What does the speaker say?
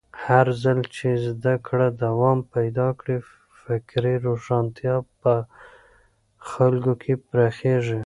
هرځل چې زده کړه دوام پیدا کړي، فکري روښانتیا په خلکو کې پراخېږي.